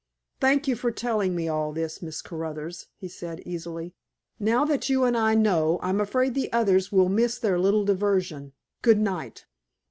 "Thank you for telling me all this, Miss Caruthers," he said easily. "Now that you and I know, I'm afraid the others will miss their little diversion. Good night."